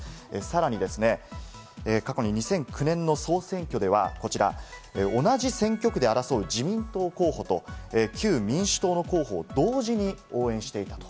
さらに、過去に２００９年の総選挙では、同じ選挙区で争う自民党候補と旧民主党の候補を同時に応援していたと。